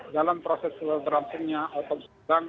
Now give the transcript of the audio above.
dalam proses berlangsungnya atau sedang